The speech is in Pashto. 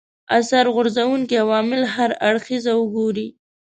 اثر غورځونکي عوامل هر اړخیزه وګوري